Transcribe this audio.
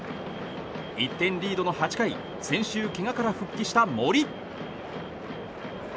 １点リードの８回先週けがから復帰した森。